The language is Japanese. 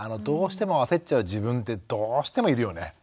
どうしても焦っちゃう自分ってどうしてもいるよね？